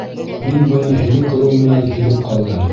Мин быны һине күреү менән һиҙеп ҡалдым.